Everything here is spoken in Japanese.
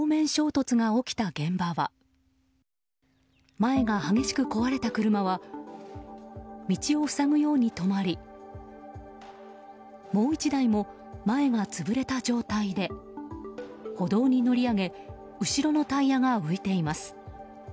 前が激しく壊れた車は道を塞ぐように止まりもう１台も、前が潰れた状態で歩道に乗り上げ後ろのタイヤが浮いています。